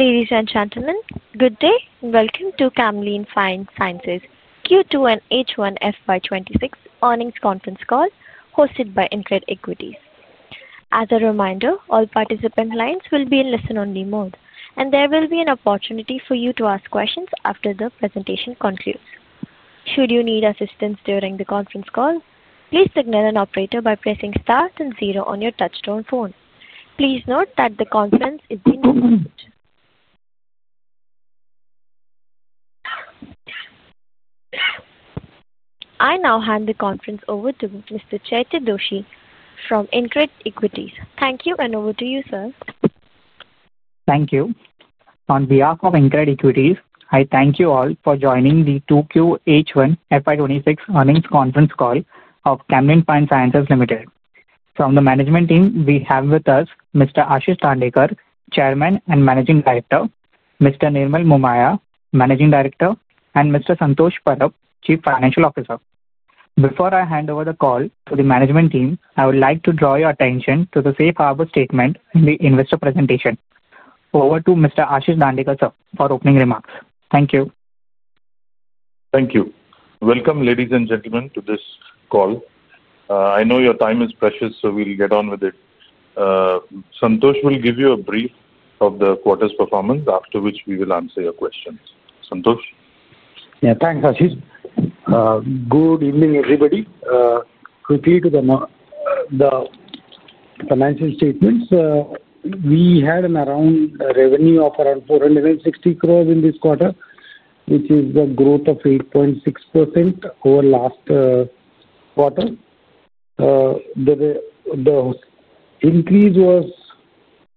Ladies and gentlemen, good day, and welcome to Camlin Fine Sciences, Q2 and H1FY26 earnings conference call hosted by InCred Equities. As a reminder, all participant lines will be in listen-only mode, and there will be an opportunity for you to ask questions after the presentation concludes. Should you need assistance during the conference call, please signal an operator by pressing star and zero on your touchstone phone. Please note that the conference is being recorded. I now hand the conference over to Mr. Chaitya Doshi from InCred Equities. Thank you, and over to you, sir. Thank you. On behalf of InCred Equities, I thank you all for joining the 2Q H1FY26 earnings conference call of Camlin Fine Sciences Limited. From the management team, we have with us Mr. Ashish Dandekar, Chairman and Managing Director, Mr. Nirmal Momaya, Managing Director, and Mr. Santosh Parab, Chief Financial Officer. Before I hand over the call to the management team, I would like to draw your attention to the safe harbor statement in the investor presentation. Over to Mr. Ashish Dandekar, sir, for opening remarks. Thank you. Thank you. Welcome, ladies and gentlemen, to this call. I know your time is precious, so we'll get on with it. Santosh will give you a brief of the quarter's performance, after which we will answer your questions. Santosh? Yeah, thanks, Ashish. Good evening, everybody. Quickly to the financial statements. We had a revenue of around 4,600,000,000 in this quarter, which is a growth of 8.6% over last quarter. The increase was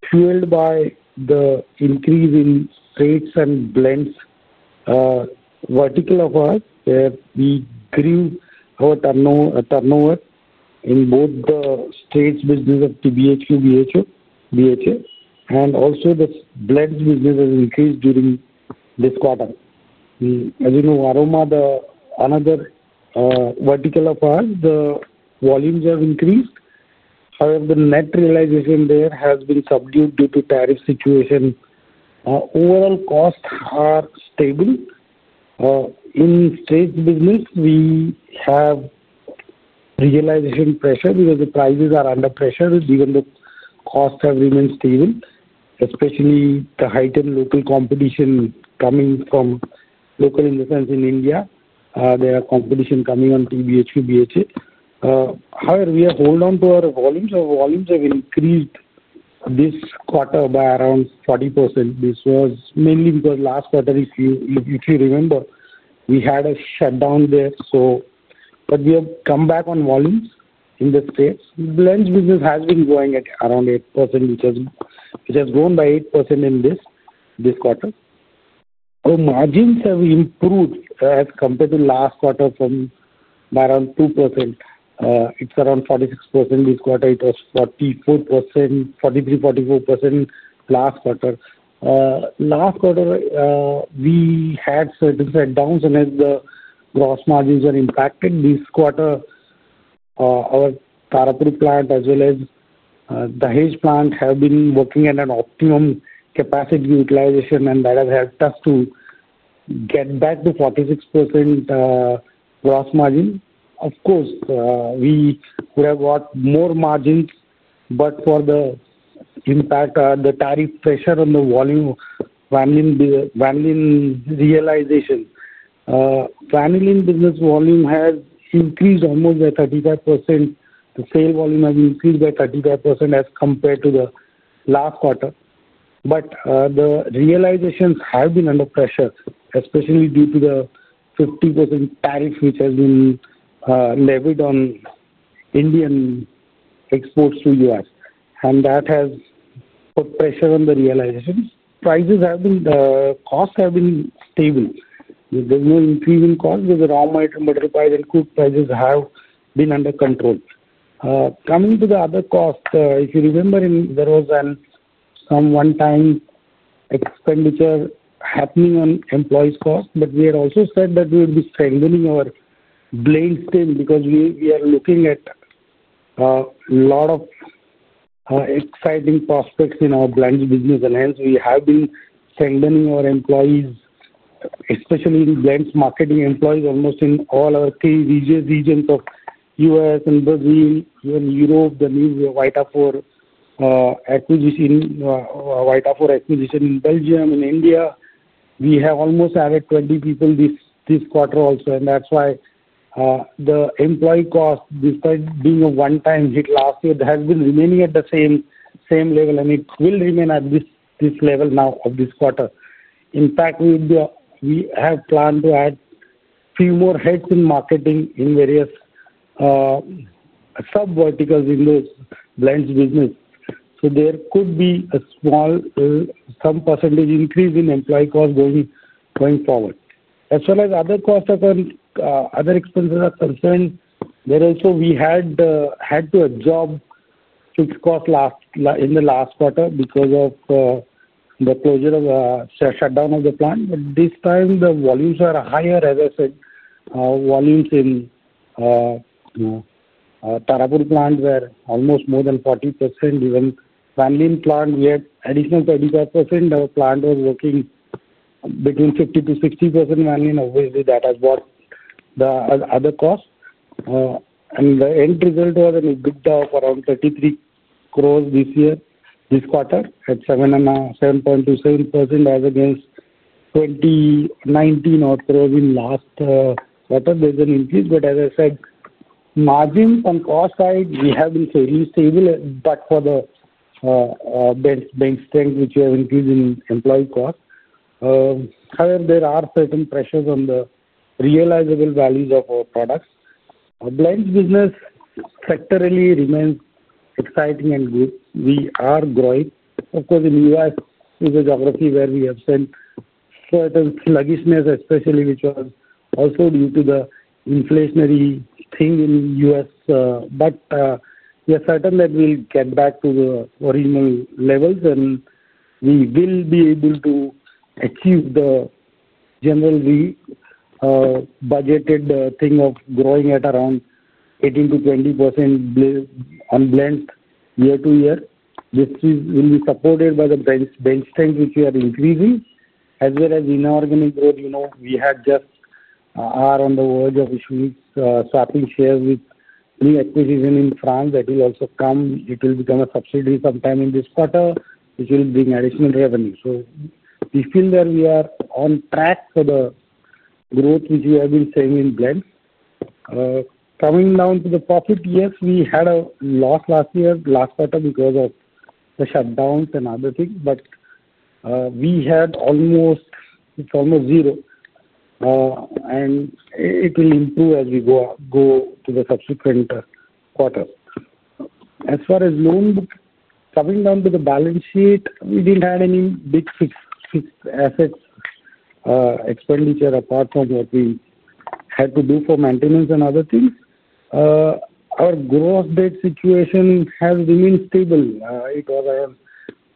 fueled by the increase in trades and blends vertical of us, where we grew our turnover in both the trades business of TBHQ, BHO, BHA, and also the blends business has increased during this quarter. As you know, aroma, the another vertical of us, the volumes have increased. However, the net realization there has been subdued due to the tariff situation. Overall, costs are stable. In trades business, we have realization pressure because the prices are under pressure, even though costs have remained stable, especially the heightened local competition coming from local investments in India. There are competitions coming on TBHQ, BHA. However, we have held on to our volumes. Our volumes have increased this quarter by around 40%. This was mainly because last quarter, if you remember, we had a shutdown there. We have come back on volumes in the trades. Blends business has been growing at around 8%, which has grown by 8% in this quarter. Our margins have improved as compared to last quarter by around 2%. It is around 46% this quarter. It was 43-44% last quarter. Last quarter, we had certain shutdowns and as the gross margins were impacted, this quarter, our Tarapur plant as well as the H plants have been working at an optimum capacity utilization, and that has helped us to get back to 46% gross margin. Of course, we could have got more margins, but for the impact, the tariff pressure on the volume, vanillin realization, vanillin business volume has increased almost by 35%. The sale volume has increased by 35% as compared to the last quarter. The realizations have been under pressure, especially due to the 50% tariff which has been levied on Indian exports to the U.S., and that has put pressure on the realizations. Prices have been, the costs have been stable. There is no increase in cost because the raw material, butterflies, and food prices have been under control. Coming to the other cost, if you remember, there was some one-time expenditure happening on employees' costs, but we had also said that we would be strengthening our blends team because we are looking at a lot of exciting prospects in our blends business. We have been strengthening our employees, especially in blends marketing employees, almost in all our three regions of the U.S. and Brazil, even Europe, the new White Pine in Belgium, in India. We have almost added 20 people this quarter also, and that's why the employee cost, despite being a one-time hit last year, has been remaining at the same level, and it will remain at this level now of this quarter. In fact, we have planned to add a few more heads in marketing in various sub-verticals in the blends business. There could be a small, some percentage increase in employee cost going forward. As far as other costs and other expenses are concerned, there also, we had to absorb fixed costs in the last quarter because of the closure of the shutdown of the plant. This time, the volumes are higher, as I said. Volumes in Tarapur plant were almost more than 40%. Even vanillin plant, we had additional 35%. Our plant was working between 50%-60% vanillin. Obviously, that has brought the other costs. The end result was an EBITDA of around 33 crore this year, this quarter, at 7.27% as against INR 19 crore in last quarter. There is an increase, but as I said, margins on cost side, we have been fairly stable, but for the bank strength, which we have increased in employee costs. However, there are certain pressures on the realizable values of our products. Our blends business sectorally remains exciting and good. We are growing. Of course, in the US, it is a geography where we have seen certain sluggishness, especially which was also due to the inflationary thing in the US. We are certain that we will get back to the original levels, and we will be able to achieve the generally budgeted thing of growing at around 18%-20% on blends year to year. This will be supported by the blends strength, which we are increasing, as well as inorganic growth. We had just, are on the verge of issuing starting shares with new acquisition in France that will also come. It will become a subsidiary sometime in this quarter, which will bring additional revenue. We feel that we are on track for the growth, which we have been seeing in blends. Coming down to the profit, yes, we had a loss last year, last quarter, because of the shutdowns and other things, but we had almost, it is almost zero, and it will improve as we go to the subsequent quarter. As far as loan coming down to the balance sheet, we did not have any big fixed assets expenditure apart from what we had to do for maintenance and other things. Our gross debt situation has remained stable. It was around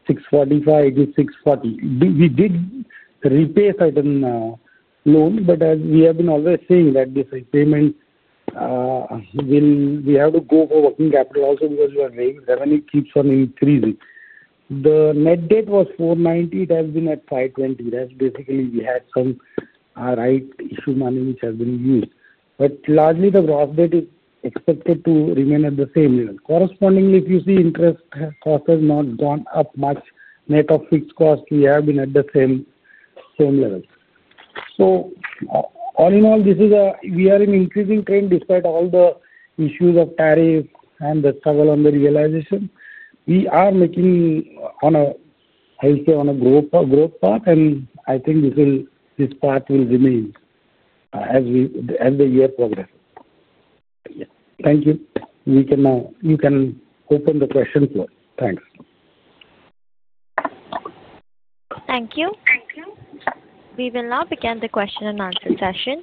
645, 86, 40. We did repay certain loans, but as we have been always saying that this repayment, we have to go for working capital also because your revenue keeps on increasing. The net debt was 490. It has been at 520. That is basically we had some rights issue money which has been used. Largely, the gross debt is expected to remain at the same level. Correspondingly, if you see, interest cost has not gone up much. Net of fixed cost, we have been at the same level. All in all, we are in an increasing trend despite all the issues of tariffs and the struggle on the realization. We are making, I would say, on a growth path, and I think this path will remain as the year progresses. Thank you. You can open the question floor. Thanks. Thank you. We will now begin the question and answer session.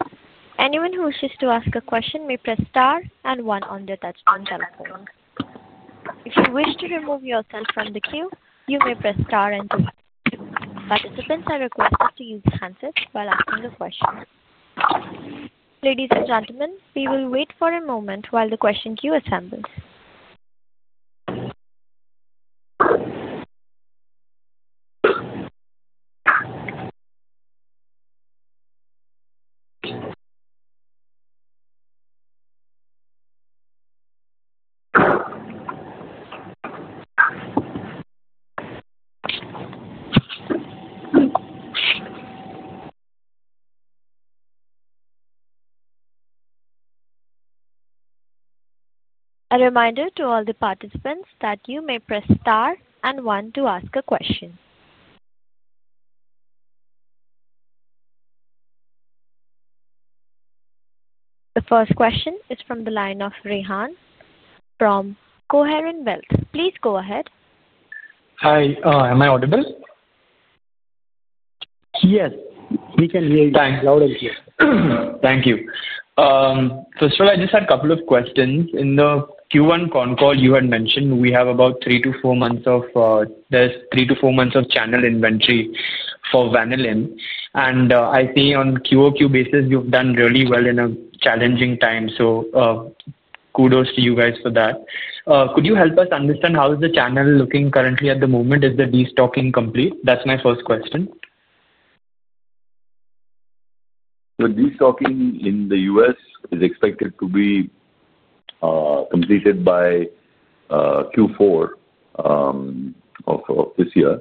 Anyone who wishes to ask a question may press star and one on the touchscreen telephone. If you wish to remove yourself from the queue, you may press star and two. Participants are requested to use handsets while asking a question. Ladies and gentlemen, we will wait for a moment while the question queue assembles. A reminder to all the participants that you may press star and one to ask a question. The first question is from the line of Rehan from Coheron Wealth. Please go ahead. Hi. Am I audible? Yes. We can hear you. Thanks. Loud and clear. Thank you. I just had a couple of questions. In the Q1 con call, you had mentioned we have about three to four months of, there's three to four months of channel inventory for vanillin. I see on a QOQ basis, you've done really well in a challenging time. Kudos to you guys for that. Could you help us understand how is the channel looking currently at the moment? Is the de-stocking complete? That's my first question. The de-stocking in the U.S. is expected to be completed by Q4 of this year.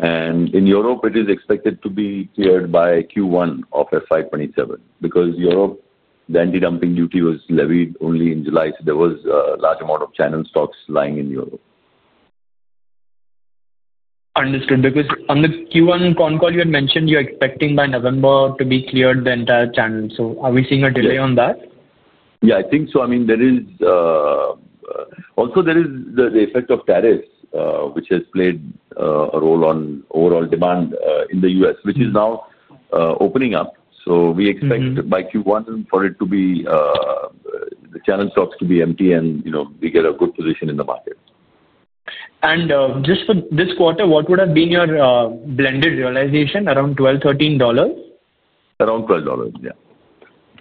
In Europe, it is expected to be cleared by Q1 of FY2027 because in Europe, the anti-dumping duty was levied only in July. There was a large amount of channel stocks lying in Europe. Understood. Because on the Q1 con call, you had mentioned you're expecting by November to be cleared the entire channel. Are we seeing a delay on that? Yeah, I think so. I mean, there is, also there is the effect of tariffs, which has played a role on overall demand in the U.S., which is now opening up. We expect by Q1 for it to be, the channel stocks to be empty and we get a good position in the market. Just for this quarter, what would have been your blended realization? Around $12, $13? Around $12, yeah.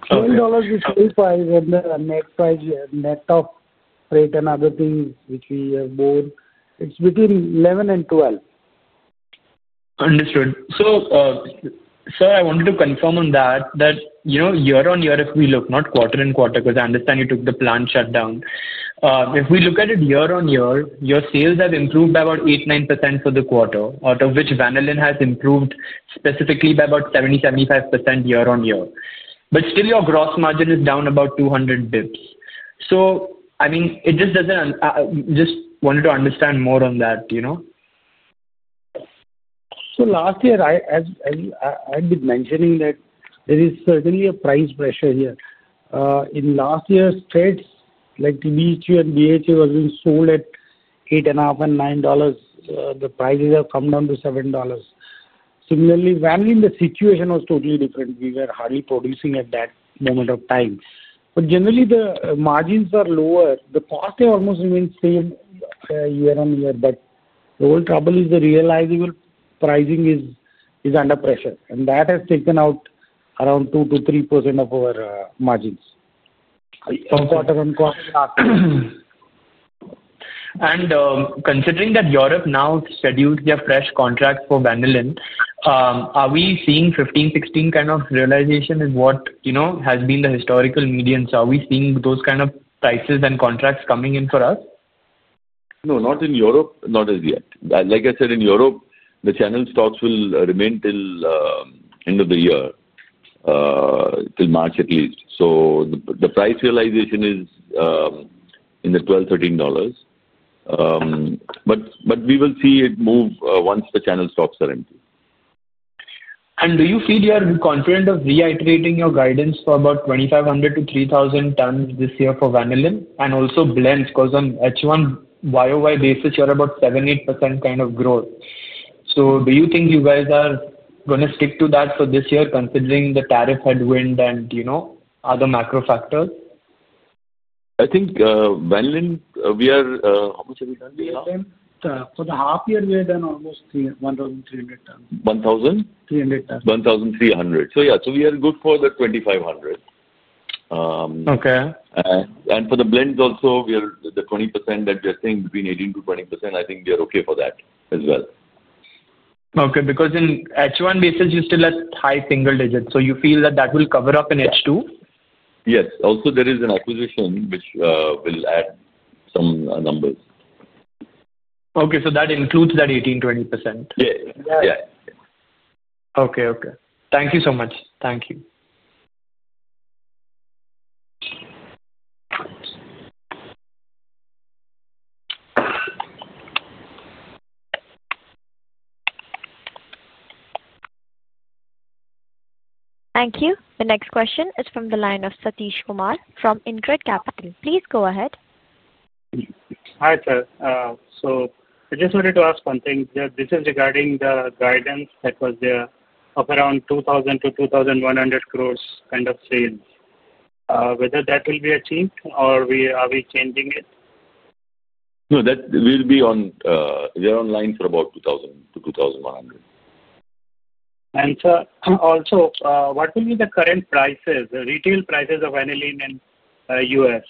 $12 is 25, and the net price, net of freight and other things which we have bore, it's between $11-$12. Understood. Sir, I wanted to confirm on that, that year on year, if we look, not quarter on quarter, because I understand you took the plant shutdown. If we look at it year on year, your sales have improved by about 8-9% for the quarter, out of which vanillin has improved specifically by about 70-75% year on year. Still, your gross margin is down about 200 basis points. I mean, it just does not, just wanted to understand more on that. Last year, as I've been mentioning, there is certainly a price pressure here. In last year's trades, like TBHQ and BHA, was being sold at $8.5 and $9. The prices have come down to $7. Similarly, vanillin, the situation was totally different. We were hardly producing at that moment of time. Generally, the margins are lower. The costs have almost remained the same year on year, but the whole trouble is the realizable pricing is under pressure. That has taken out around 2-3% of our margins. Considering that Europe now scheduled their fresh contracts for vanillin, are we seeing 15-16 kind of realization in what has been the historical median? Are we seeing those kind of prices and contracts coming in for us? No, not in Europe, not as yet. Like I said, in Europe, the channel stocks will remain till end of the year, till March at least. The price realization is in the $12, $13. We will see it move once the channel stocks are empty. Do you feel you are confident of reiterating your guidance for about 2,500-3,000 tons this year for vanillin and also blends? Because on H1 YOY basis, you're about 7-8% kind of growth. Do you think you guys are going to stick to that for this year, considering the tariff headwind and other macro factors? I think vanillin, we are, how much have we done? For the half year, we have done almost 1,300 tons. 1,000? 300 tons. 1,300. So yeah, we are good for the 2,500. And for the blends also, we are the 20% that we are seeing between 18-20%, I think we are okay for that as well. Okay. Because on H1 basis, you still have high single digits. You feel that that will cover up in H2? Yes. Also, there is an acquisition which will add some numbers. Okay. So that includes that 18-20%? Yeah. Okay. Okay. Thank you so much. Thank you. Thank you. The next question is from the line of Satish Kumar from InCred Capital. Please go ahead. Hi sir. I just wanted to ask one thing. This is regarding the guidance that was there of around 2,000-2,100 crore kind of sales. Whether that will be achieved or are we changing it? No, that will be on, we are online for about 2,000-2,100. Sir, also, what will be the current prices, retail prices of vanillin in the US?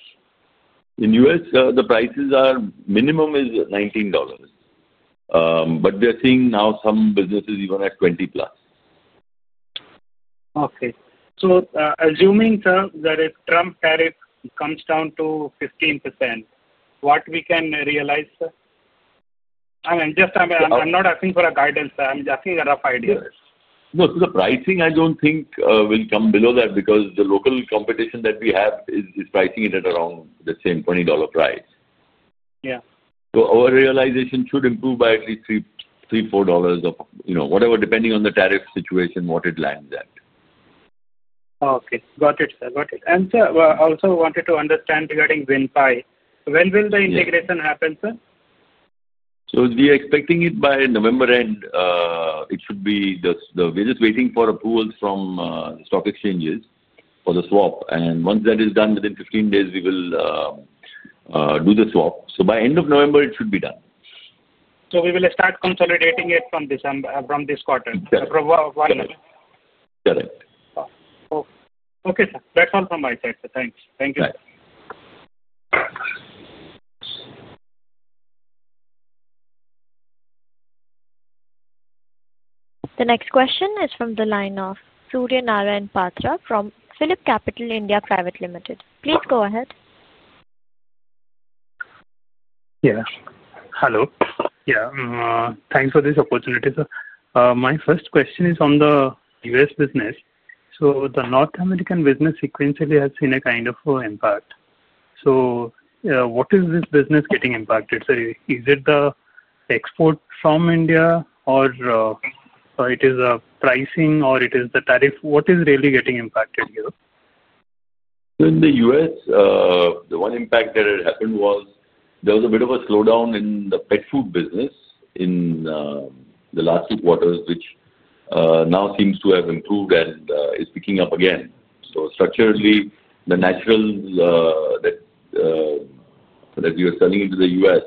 In the U.S., the prices are minimum is $19. But we are seeing now some businesses even at $20 plus. Okay. So assuming, sir, that if Trump tariff comes down to 15%, what we can realize, sir? I mean, just, I'm not asking for a guidance, sir. I'm just asking a rough idea. No, so the pricing, I don't think will come below that because the local competition that we have is pricing it at around the same $20 price. Our realization should improve by at least $3-$4 or whatever, depending on the tariff situation, what it lands at. Okay. Got it, sir. Got it. Also wanted to understand regarding VinFi. When will the integration happen, sir? We are expecting it by November end. It should be the, we're just waiting for approvals from the stock exchanges for the swap. Once that is done, within 15 days, we will do the swap. By end of November, it should be done. We will start consolidating it from this quarter. Correct. For one year. Correct. Okay, sir. That's all from my side, sir. Thanks. Thank you. Bye. The next question is from the line of Surya Narayan Patra from Philip Capital India Private Limited. Please go ahead. Yeah. Hello. Yeah. Thanks for this opportunity, sir. My first question is on the US business. The North American business sequentially has seen a kind of impact. What is this business getting impacted? Is it the export from India or is it the pricing or is it the tariff? What is really getting impacted here? In the U.S., the one impact that had happened was there was a bit of a slowdown in the pet food business in the last two quarters, which now seems to have improved and is picking up again. Structurally, the natural that we were selling into the U.S.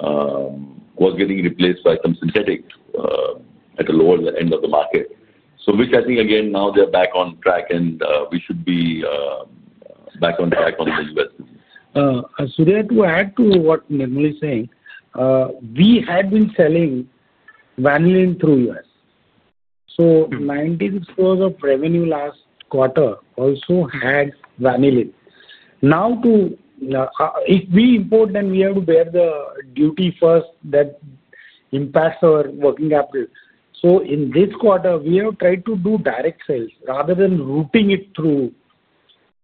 was getting replaced by some synthetic at the lower end of the market, which I think, again, now they are back on track and we should be back on track on the U.S. business. To add to what Nirmal is saying, we had been selling vanillin through the U.S. So 96% of revenue last quarter also had vanillin. Now, if we import and we have to bear the duty first, that impacts our working capital. In this quarter, we have tried to do direct sales rather than routing it through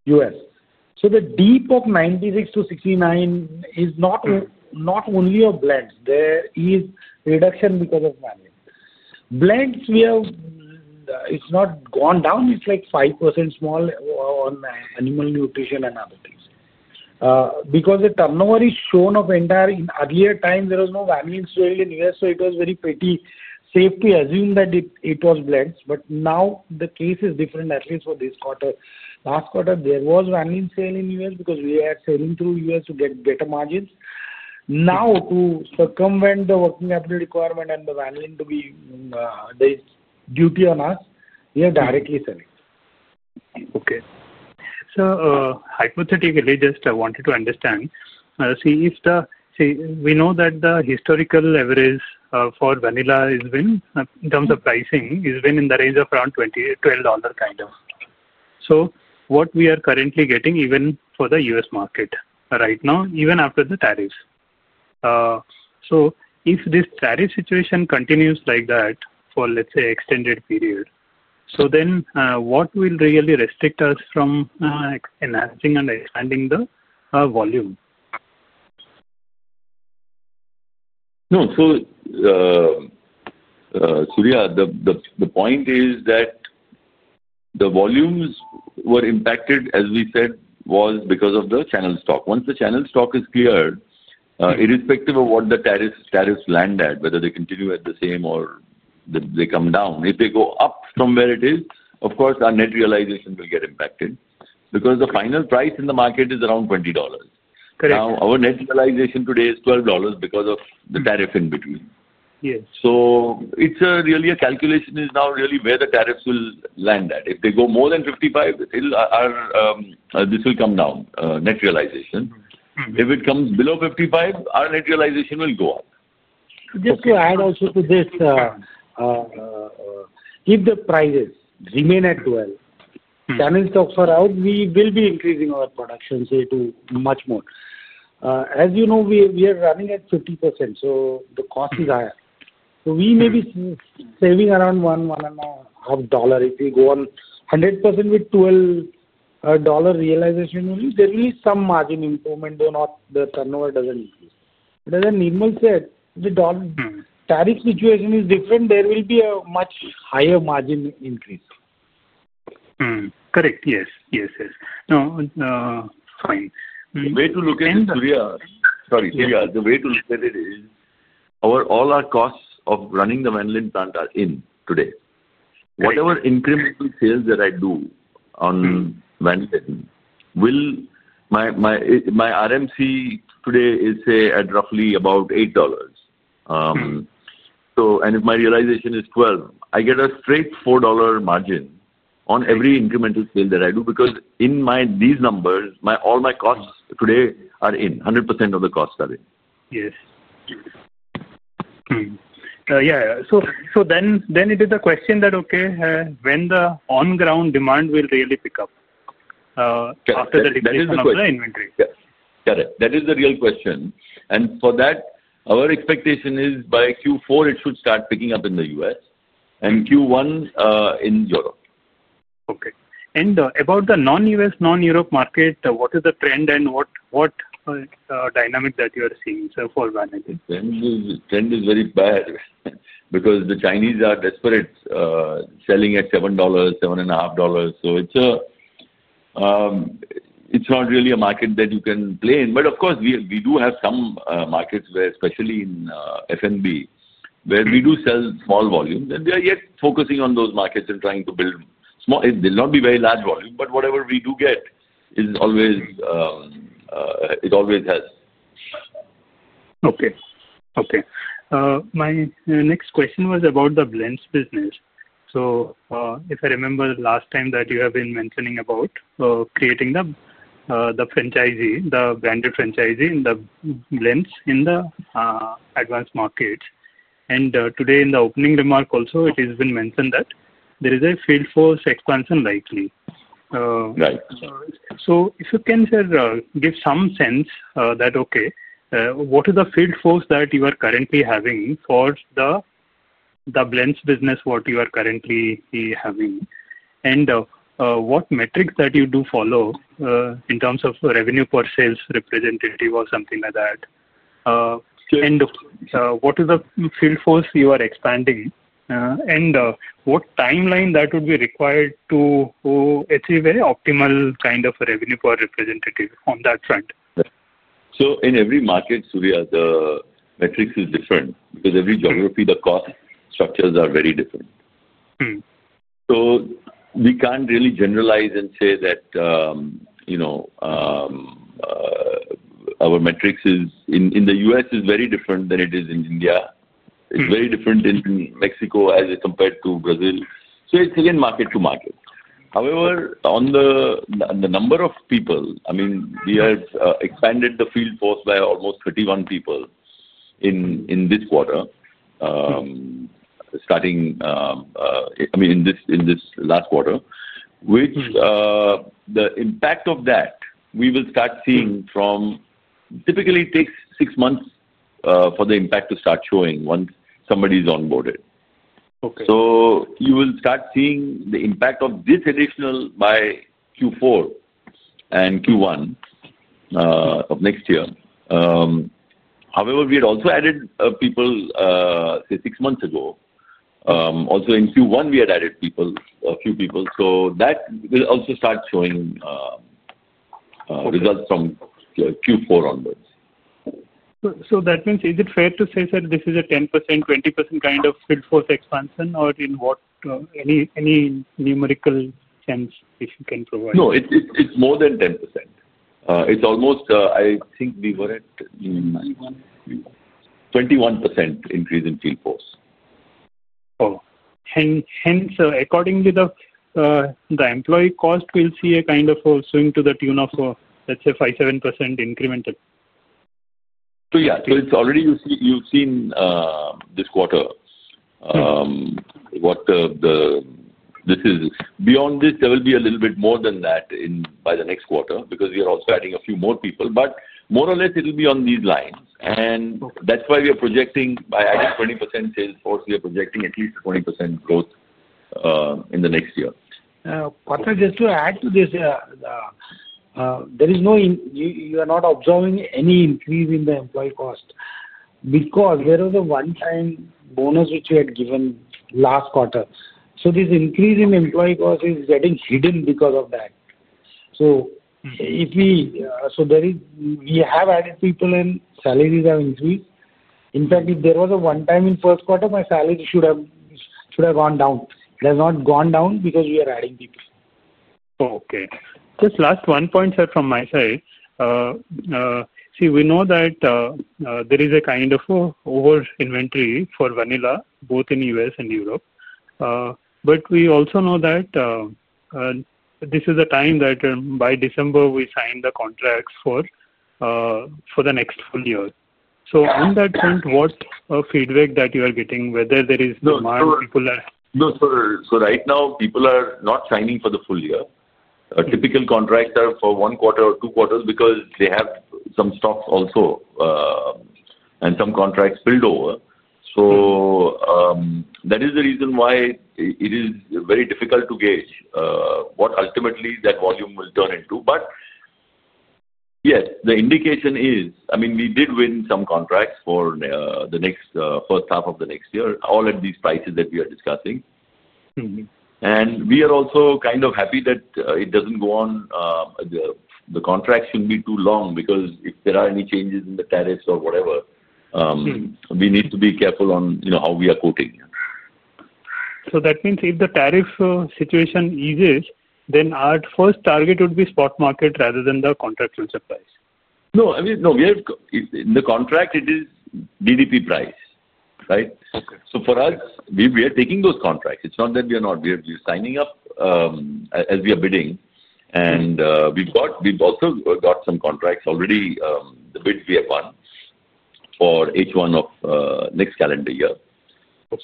the U.S. The dip from 96 to 69 is not only because of blends. There is reduction because of vanillin. Blends, we have, it's not gone down. It's like 5% small on animal nutrition and other things. Because the turnover is shown of entire, in earlier times, there was no vanillin sale in the U.S. So it was very pretty. Safe to assume that it was blends. Now the case is different, at least for this quarter. Last quarter, there was vanillin sale in the US because we had selling through the US to get better margins. Now, to circumvent the working capital requirement and the vanillin to be the duty on us, we are directly selling. Okay. So hypothetically, just I wanted to understand. See, if the, see, we know that the historical leverage for vanillin is when, in terms of pricing, is when in the range of around $12 kind of. So what we are currently getting, even for the US market right now, even after the tariffs. If this tariff situation continues like that for, let's say, extended period, what will really restrict us from enhancing and expanding the volume? No, Surya, the point is that the volumes were impacted, as we said, was because of the channel stock. Once the channel stock is cleared, irrespective of what the tariffs land at, whether they continue at the same or they come down, if they go up from where it is, of course, our net realization will get impacted because the final price in the market is around $20. Now, our net realization today is $12 because of the tariff in between. It is really a calculation now where the tariffs will land at. If they go more than 55, this will come down, net realization. If it comes below 55, our net realization will go up. Just to add also to this, if the prices remain at $12, channel stocks are out, we will be increasing our production, say, to much more. As you know, we are running at 50%. So the cost is higher. So we may be saving around $1-$1.5. If we go on 100% with $12 realization only, there will be some margin improvement though, not the turnover doesn't increase. As Nirmal said, the tariff situation is different. There will be a much higher margin increase. Correct. Yes. Yes. Yes. No, fine. The way to look at it, Surya, sorry, Surya, the way to look at it is all our costs of running the vanillin plant are in today. Whatever incremental sales that I do on vanillin, my RMC today is, say, at roughly about $8. And if my realization is $12, I get a straight $4 margin on every incremental sale that I do because in these numbers, all my costs today are in, 100% of the costs are in. Yes. Yeah. So then it is a question that, okay, when the on-ground demand will really pick up after the decrease of the inventory? Correct. That is the real question. For that, our expectation is by Q4, it should start picking up in the U.S. and Q1 in Europe. Okay. And about the non-U.S., non-Europe market, what is the trend and what dynamic that you are seeing, sir, for vanillin? Trend is very bad because the Chinese are desperate, selling at $7, $7.5. It is not really a market that you can play in. Of course, we do have some markets where, especially in F&B, we do sell small volumes, and we are yet focusing on those markets and trying to build small. It will not be very large volume, but whatever we do get is always, it always has. Okay. Okay. My next question was about the blends business. If I remember last time that you have been mentioning about creating the franchisee, the branded franchisee in the blends in the advanced markets. Today, in the opening remark also, it has been mentioned that there is a field force expansion likely. If you can, sir, give some sense that, okay, what is the field force that you are currently having for the blends business, what you are currently having, and what metrics that you do follow in terms of revenue per sales representative or something like that? What is the field force you are expanding, and what timeline that would be required to achieve an optimal kind of revenue per representative on that front? In every market, Surya, the metrics are different because every geography, the cost structures are very different. We can't really generalize and say that our metrics in the U.S. are very different than it is in India. It's very different in Mexico as compared to Brazil. It's again market to market. However, on the number of people, I mean, we have expanded the field force by almost 31 people in this quarter, starting, I mean, in this last quarter, which the impact of that we will start seeing from typically takes six months for the impact to start showing once somebody's onboarded. You will start seeing the impact of this additional by Q4 and Q1 of next year. However, we had also added people, say, six months ago. Also in Q1, we had added a few people. That will also start showing results from Q4 onwards. That means, is it fair to say, sir, this is a 10%-20% kind of field force expansion, or in what any numerical sense you can provide? No, it's more than 10%. It's almost, I think we were at 21% increase in field force. Oh. And hence, according to the employee cost, we'll see a kind of a swing to the tune of, let's say, 5-7% incremental. Yeah. It's already you've seen this quarter what this is. Beyond this, there will be a little bit more than that by the next quarter because we are also adding a few more people. More or less, it will be on these lines. That's why we are projecting by adding 20% sales force, we are projecting at least 20% growth in the next year. Patra, just to add to this, there is no you are not observing any increase in the employee cost because there was a one-time bonus which we had given last quarter. This increase in employee cost is getting hidden because of that. If we so there is we have added people and salaries have increased. In fact, if there was a one-time in first quarter, my salary should have gone down. It has not gone down because we are adding people. Okay. Just last one point, sir, from my side. See, we know that there is a kind of over-inventory for vanillin, both in the U.S. and Europe. But we also know that this is the time that by December, we sign the contracts for the next full year. On that point, what feedback that you are getting, whether there is demand, people are? No. Right now, people are not signing for the full year. Typical contracts are for one quarter or two quarters because they have some stocks also and some contracts spilled over. That is the reason why it is very difficult to gauge what ultimately that volume will turn into. Yes, the indication is, I mean, we did win some contracts for the first half of the next year, all at these prices that we are discussing. We are also kind of happy that it does not go on. The contracts should not be too long because if there are any changes in the tariffs or whatever, we need to be careful on how we are quoting. That means if the tariff situation eases, then our first target would be spot market rather than the contract fuel supplies. No. I mean, no. The contract, it is DDP price, right? For us, we are taking those contracts. It's not that we are not. We are signing up as we are bidding. We've also got some contracts already, the bids we have won for H1 of next calendar year.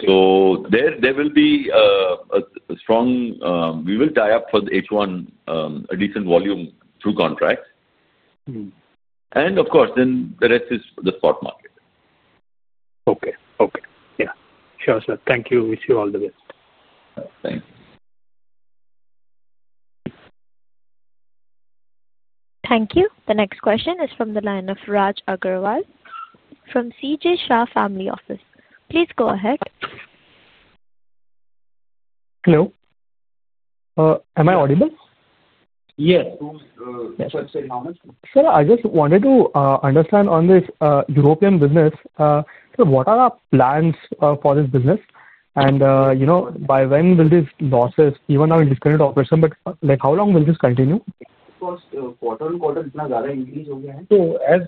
There will be a strong, we will tie up for the H1 a decent volume through contracts. Of course, the rest is the spot market. Okay. Okay. Yeah. Sure, sir. Thank you. Wish you all the best. Thanks. Thank you. The next question is from the line of Raj Agarwal from CJ Shah Family Office. Please go ahead. Hello. Am I audible? Yes. Sir, I just wanted to understand on this European business. What are our plans for this business? By when will these losses, even now in discontinued operation, but how long will this continue? Because quarter on quarter, it's not that increased over here. As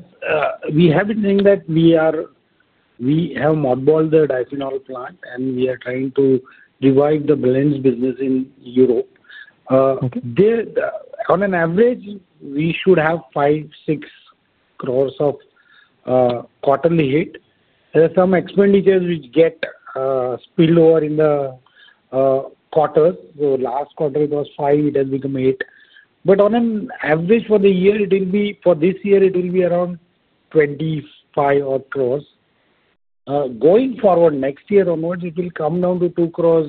we have been saying that we have mudballed the diethanol plant, and we are trying to revive the blends business in Europe. On average, we should have 5-6 crore of cost hit. There are some expenditures which get spilled over in the quarters. Last quarter, it was 5 crore. It has become 8 crore. On average for the year, for this year, it will be around 25 crore. Going forward, next year onwards, it will come down to 2 crore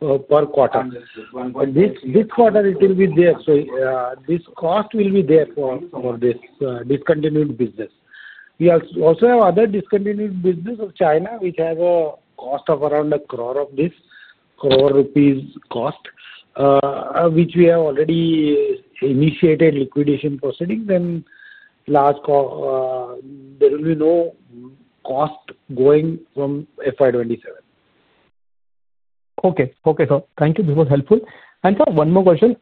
per quarter. This quarter, it will be there. This cost will be there for this discontinued business. We also have other discontinued business of China which has a cost of around 1 crore, which we have already initiated liquidation proceedings. There will be no cost going from FY2027. Okay. Okay. Thank you. This was helpful. Sir, one more question.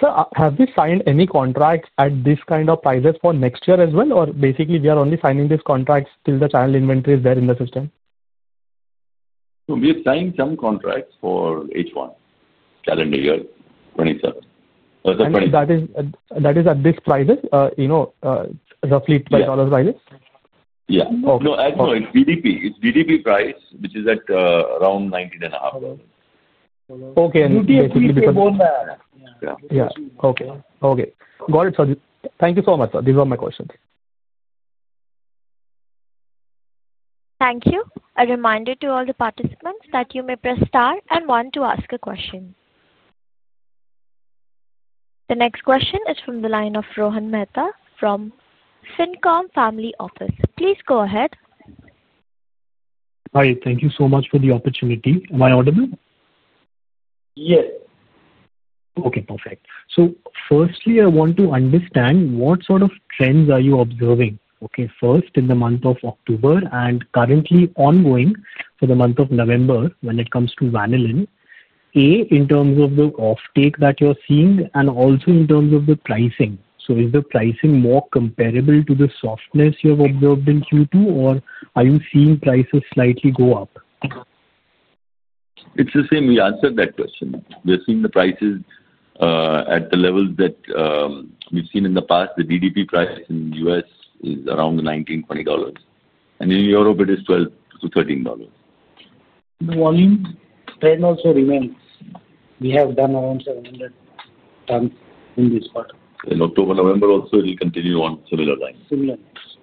Sir, have we signed any contracts at this kind of prices for next year as well, or basically, are we only signing these contracts till the channel inventory is there in the system? We have signed some contracts for H1 calendar year 2027. That is at this price, roughly $12 price? Yeah. No. Actually, it's DDP. It's DDP price, which is at around 19 and a half. Okay. And basically because of. Yeah. Yeah. Okay. Okay. Got it, sir. Thank you so much, sir. These were my questions. Thank you. A reminder to all the participants that you may press star and one to ask a question. The next question is from the line of Rohan Mehta from FinCom Family Office. Please go ahead. Hi. Thank you so much for the opportunity. Am I audible? Yes. Okay. Perfect. Firstly, I want to understand what sort of trends are you observing, okay, first in the month of October and currently ongoing for the month of November when it comes to vanillin, A, in terms of the offtake that you're seeing, and also in terms of the pricing. Is the pricing more comparable to the softness you have observed in Q2, or are you seeing prices slightly go up? It's the same. We answered that question. We are seeing the prices at the levels that we've seen in the past. The DDP price in the US is around $19-$20. And in Europe, it is $12-$13. The volume trend also remains. We have done around 700 tons in this quarter. In October, November, also, it will continue on similar lines. Similar lines.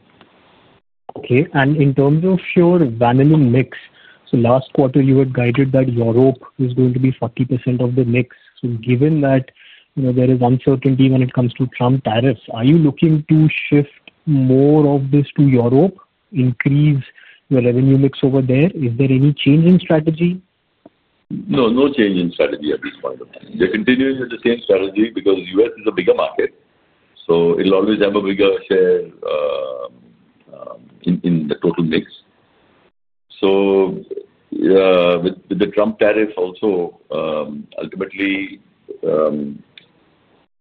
Okay. In terms of your vanillin mix, last quarter, you had guided that Europe is going to be 40% of the mix. Given that there is uncertainty when it comes to Trump tariffs, are you looking to shift more of this to Europe, increase the revenue mix over there? Is there any change in strategy? No. No change in strategy at this point. They're continuing with the same strategy because the US is a bigger market. It will always have a bigger share in the total mix. With the Trump tariff also, ultimately,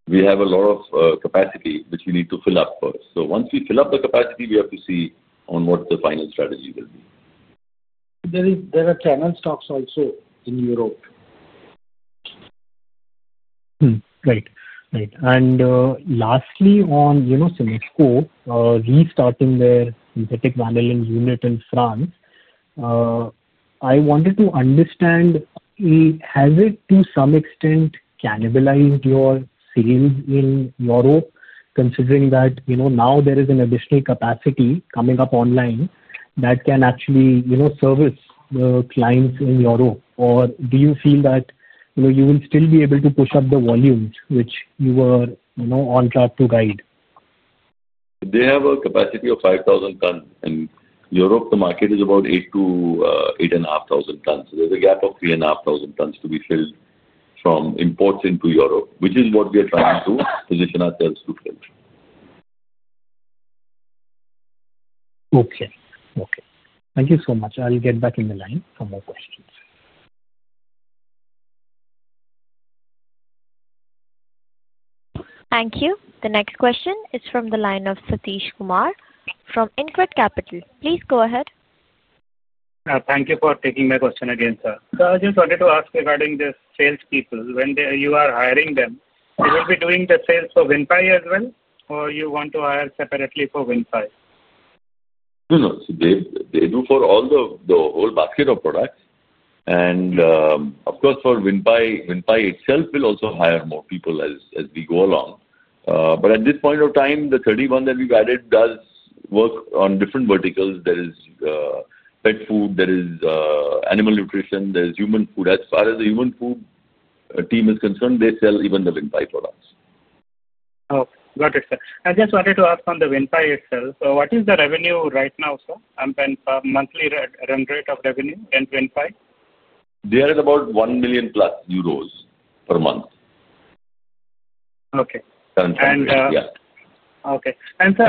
we have a lot of capacity which we need to fill up first. Once we fill up the capacity, we have to see on what the final strategy will be. There are channel stocks also in Europe. Right. Right. Lastly, on Cinesco restarting their synthetic vanillin unit in France, I wanted to understand, has it to some extent cannibalized your sales in Europe, considering that now there is an additional capacity coming up online that can actually service the clients in Europe? Or do you feel that you will still be able to push up the volumes which you were on track to guide? They have a capacity of 5,000 tons. Europe, the market is about 8,000-8,500 tons. There is a gap of 3,500 tons to be filled from imports into Europe, which is what we are trying to position ourselves to fill. Okay. Okay. Thank you so much. I'll get back in the line for more questions. Thank you. The next question is from the line of Satish Kumar from InCred Capital. Please go ahead. Thank you for taking my question again, sir. I just wanted to ask regarding the salespeople. When you are hiring them, you will be doing the sales for VinFi as well, or you want to hire separately for VinFi? No. No. They do for the whole basket of products. Of course, for VinFi itself, we'll also hire more people as we go along. At this point of time, the 31 that we've added does work on different verticals. There is pet food. There is animal nutrition. There is human food. As far as the human food team is concerned, they sell even the VinFi products. Oh. Got it, sir. I just wanted to ask on the VinFi itself. What is the revenue right now, sir, monthly run rate of revenue and VinFi? They are about 1 million euros plus per month. Okay. And. Currently, yeah. Okay. And sir,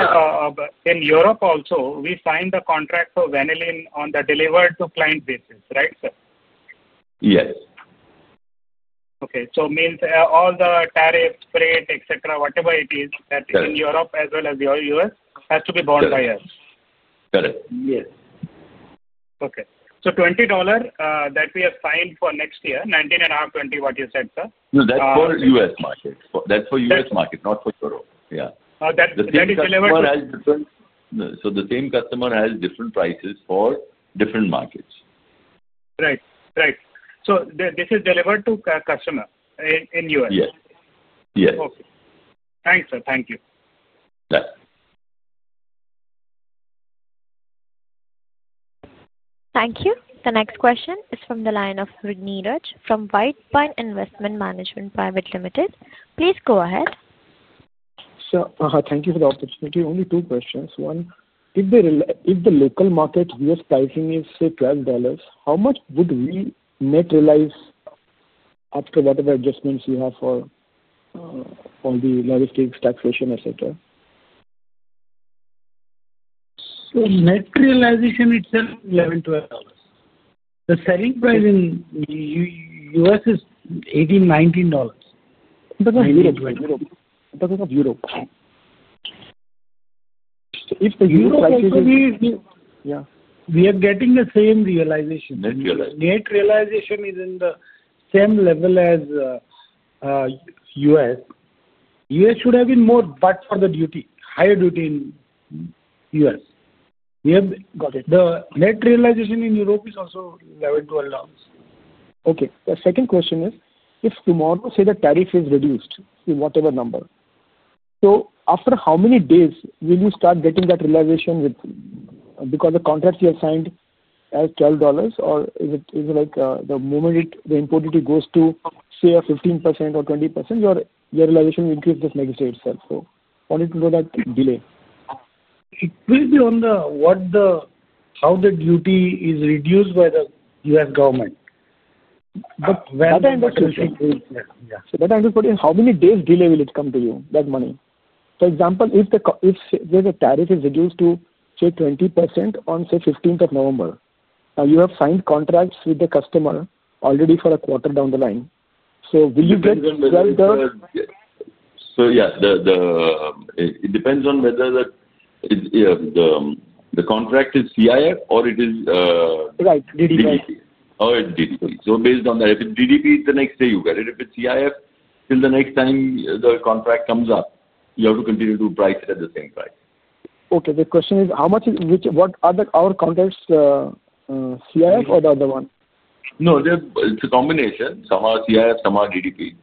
in Europe also, we signed a contract for vanillin on the delivered-to-client basis, right, sir? Yes. Okay. So means all the tariffs, rate, etc., whatever it is that is in Europe as well as your US, has to be borne by us. Correct. Correct. Yes. Okay. So $20 that we have signed for next year, 19 and a half, 20, what you said, sir? No. That's for US market. That's for US market, not for Europe. Yeah. Oh. That is delivered to. The same customer has different prices for different markets. Right. Right. So this is delivered to customer in US? Yes. Yes. Okay. Thanks, sir. Thank you. Bye. Thank you. The next question is from the line of Ragniraj from White Pine Investment Management Private Limited. Please go ahead. Sir, thank you for the opportunity. Only two questions. One, if the local market US pricing is, say, $12, how much would we net realize after whatever adjustments we have for all the logistics, taxation, etc.? Net realization itself, $11-$12. The selling price in the US is $18-$19. Because of Europe. If the US price is. Yeah. We are getting the same realization. Net realization. Net realization is in the same level as U.S. U.S. should have been more, but for the duty, higher duty in U.S. Got it. The net realization in Europe is also $11-$12. Okay. The second question is, if tomorrow, say, the tariff is reduced to whatever number, after how many days will you start getting that realization because the contracts you have signed as $12, or is it like the import duty goes to, say, 15% or 20%, or your realization will increase just like you say itself? I wanted to know that delay. It will be on how the duty is reduced by the U.S. government. That I'm just wondering. Yeah. That I'm just wondering, how many days delay will it come to you, that money? For example, if the tariff is reduced to, say, 20% on, say, 15th of November, and you have signed contracts with the customer already for a quarter down the line, will you get $12? Yeah. It depends on whether the contract is CIF or it is. Right. DDP. Or it's DDP. Based on that, if it's DDP, the next day you get it. If it's CIF, till the next time the contract comes up, you have to continue to price it at the same price. Okay. The question is, what are our contracts, CIF or the other one? No. It's a combination. Some are CIF, some are DDP.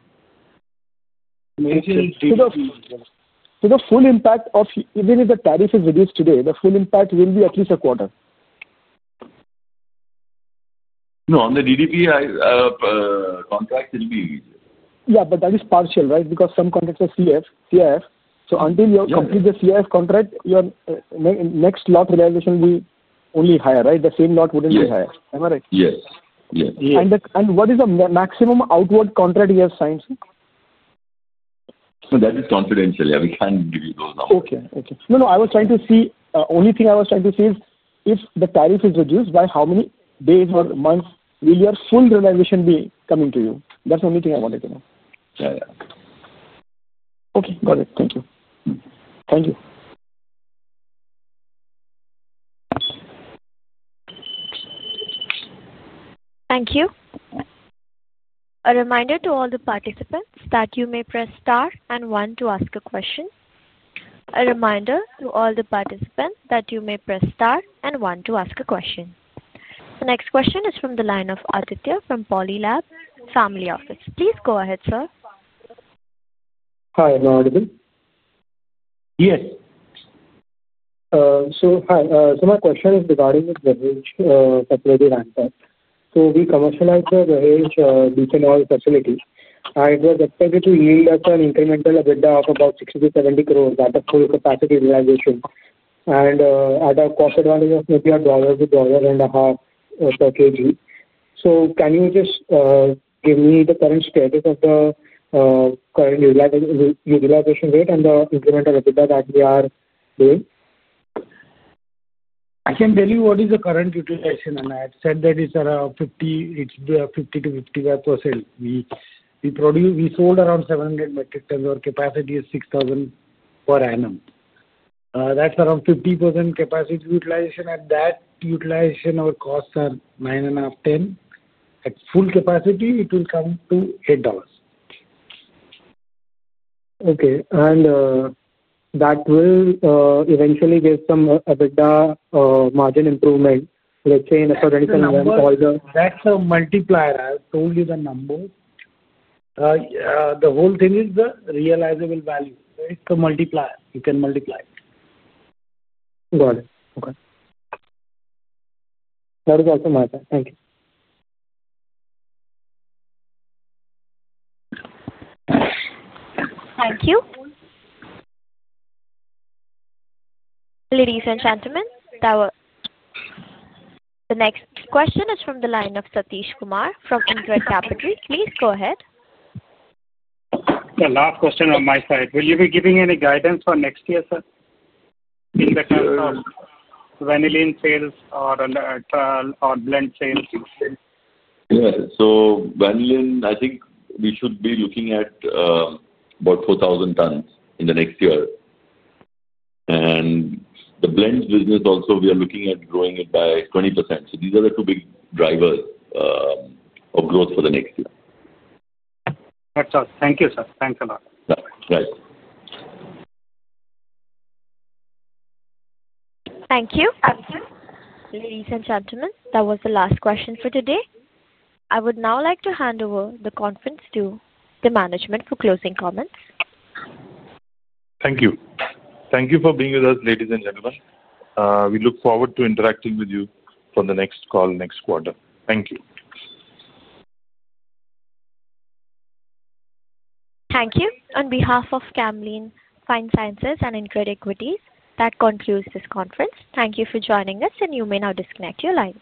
The full impact of even if the tariff is reduced today, the full impact will be at least a quarter? No. On the DDP, contracts will be. Yeah. That is partial, right, because some contracts are CIF. Until you complete the CIF contract, your next lot realization will only be higher, right? The same lot would not be higher. Am I right? Yes. Yes. What is the maximum outward contract you have signed, sir? That is confidential. Yeah. We can't give you those numbers. Okay. No, I was trying to see, the only thing I was trying to see is if the tariff is reduced, by how many days or months will your full realization be coming to you? That's the only thing I wanted to know. Yeah. Yeah. Okay. Got it. Thank you. Thank you. Thank you. A reminder to all the participants that you may press star and one to ask a question. The next question is from the line of Aditya from PolyLab Family Office. Please go ahead, sir. Hi. Am I audible? Yes. Hi. My question is regarding the BHA facility ramp-up. We commercialized the BHA methanol facility. It was expected to yield us an incremental EBITDA of about 60-70 crore at a full capacity realization and at a cost advantage of maybe $1 to $1.5 per kg. Can you just give me the current status of the current utilization rate and the incremental EBITDA that we are doing? I can tell you what is the current utilization. I have said that it's around 50-55%. We sold around 700 metric tons. Our capacity is 6,000 per annum. That's around 50% capacity utilization. At that utilization, our costs are $9.5-$10. At full capacity, it will come to $8. Okay. And that will eventually give some margin improvement, let's say in a certain time? That's a multiplier. I've told you the number. The whole thing is the realizable value. It's a multiplier. You can multiply it. Got it. Okay. That is also my side. Thank you. Thank you. Ladies and gentlemen, the next question is from the line of Satish Kumar from InCred Capital. Please go ahead. The last question on my side. Will you be giving any guidance for next year, sir, in the terms of vanillin sales or blend sales? Yeah. So vanillin, I think we should be looking at about 4,000 tons in the next year. The blend business also, we are looking at growing it by 20%. These are the two big drivers of growth for the next year. That's all. Thank you, sir. Thanks a lot. Yeah. Right. Thank you. Ladies and gentlemen, that was the last question for today. I would now like to hand over the conference to the management for closing comments. Thank you. Thank you for being with us, ladies and gentlemen. We look forward to interacting with you for the next call next quarter. Thank you. Thank you. On behalf of Camlin Fine Sciences and InCred Equities, that concludes this conference. Thank you for joining us, and you may now disconnect your lines.